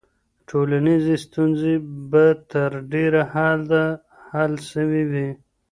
ټولنيزې ستونزې به تر ډېره حده حل سوي وي.